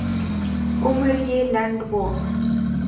عمر یې لنډ و.